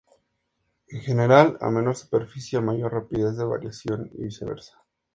En general, a menor superficie, mayor rapidez de variación y viceversa.